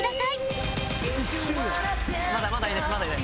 まだまだいないです